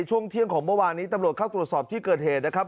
ช่วงเที่ยงของเมื่อวานนี้ตำรวจเข้าตรวจสอบที่เกิดเหตุนะครับ